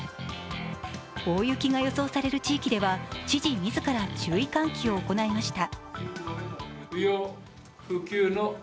大雪が予想される地域では知事自ら注意喚起を行いました。